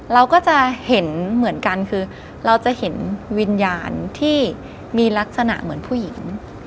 เราก็จะเห็นเหมือนกันคือเราจะเห็นวิญญาณที่มีลักษณะเหมือนผู้หญิง